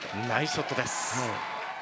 ナイスショットです。